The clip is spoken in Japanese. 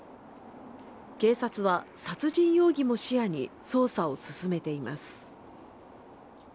警察は殺人容疑も視野に捜査を進めています。